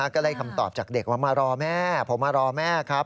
ก็ได้คำตอบจากเด็กว่ามารอแม่ผมมารอแม่ครับ